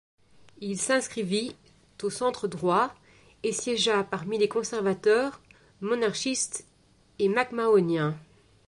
Il s'inscrivit au Centre-Droit et siégea parmi les Conservateurs, Monarchistes et Mac-Mahoniens.